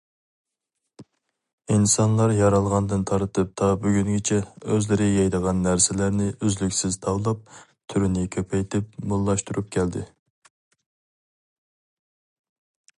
ئىنسانلار يارالغاندىن تارتىپ، تا بۈگۈنگىچە ئۆزلىرى يەيدىغان نەرسىلەرنى ئۈزلۈكسىز تاۋلاپ، تۈرىنى كۆپەيتىپ، موللاشتۇرۇپ كەلدى.